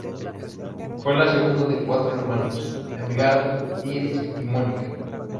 Fue la segunda de cuatro hermanos: Edgardo, Iris y Mónica.